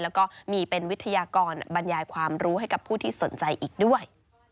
แล้วก็มีเป็นวิทยากรบรรยายความรู้ให้กับผู้ที่สนใจอีกด้วย